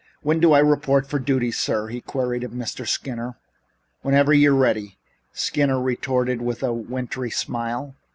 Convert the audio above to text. "When do I report for duty, sir?" he queried of Mr. Skinner. "Whenever you're ready," Skinner retorted with a wintry smile.